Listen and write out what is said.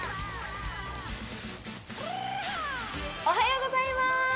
おはようございます